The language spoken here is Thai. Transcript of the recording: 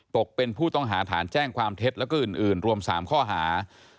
ตกเป็นผู้ต้องหาฐานแจ้งความเท็จแล้วก็อื่นรวม๓ข้อหา